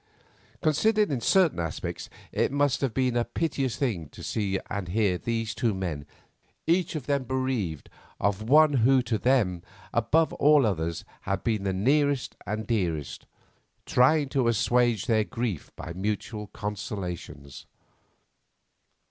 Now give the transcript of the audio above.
Considered in certain aspects, it must have been a piteous thing to see and hear these two men, each of them bereaved of one who to them above all others had been the nearest and dearest, trying to assuage their grief by mutual consolations.